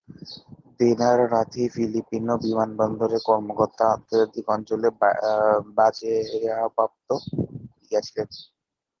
দিনার নথি ফিলিপিনো বিমানবন্দরের কর্মকর্তারা আন্তর্জাতিক অঞ্চলে বাজেয়াপ্ত করেছিলেন।